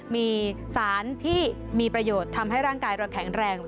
มีสารที่มีประโยชน์ทำให้ร่างกายเราแข็งแรง